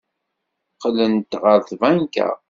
Qqlent ɣer tbanka.